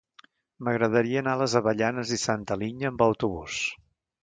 M'agradaria anar a les Avellanes i Santa Linya amb autobús.